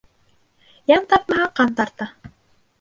Йән тартмаһа, ҡан тарта.